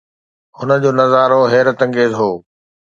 هن جو نظارو حيرت انگيز هو.